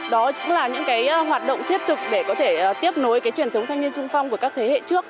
đó cũng là những hoạt động thiết thực để có thể tiếp nối chuyển thống thanh niên sung phong của các thế hệ trước